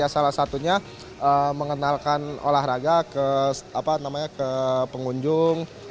salah satunya mengenalkan olahraga ke pengunjung